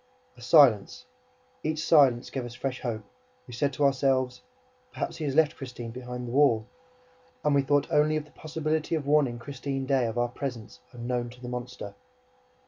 A silence. Each silence gave us fresh hope. We said to ourselves: "Perhaps he has left Christine behind the wall." And we thought only of the possibility of warning Christine Daae of our presence, unknown to the monster.